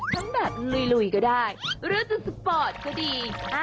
ทั้งแบบลุยก็ได้หรือจะสปอร์ตก็ดี